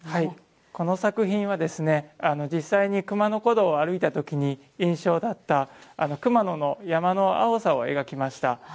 この作品は実際に熊野古道を歩いたときに印象だった熊野の山の青さを描きました。